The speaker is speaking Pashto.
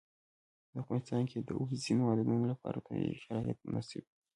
په افغانستان کې د اوبزین معدنونه لپاره طبیعي شرایط مناسب دي.